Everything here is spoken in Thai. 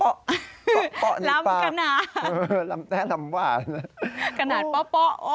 ป๊อป๊อนี่ป๊าลำแท้ลำหวานนะโอ๊ยลำขนาดป๊อป๊อ